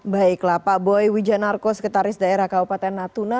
baiklah pak boy wijanarko sekretaris daerah kabupaten natuna